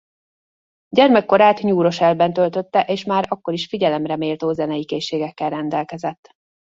Gyermekkorát New Rochelle-ben töltötte és már akkor is figyelemre méltó zenei készségekkel rendelkezett.